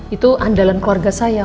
itu andalan keluarga saya